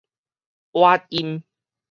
倚音